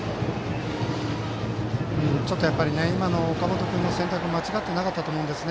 ちょっと今の岡本君の選択は誤っていなかったと思うんですね。